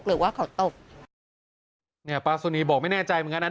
หรือว่าเขาตกเนี่ยป้าสุนีบอกไม่แน่ใจเหมือนกันนะ